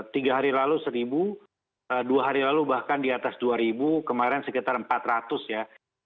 tiga hari lalu seribu dua hari lalu bahkan di atas dua ribu kemarin sekitar empat ratus ya